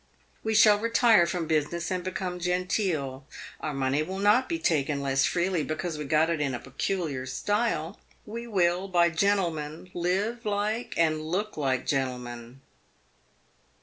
We shall retire from business and become genteel. Our money will not be taken less freely because we got it in a peculiar style. We will by gentlemen, live like and look like gentlemen.